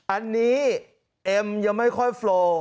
อันนี้เอ็มยังไม่ค่อยโฟล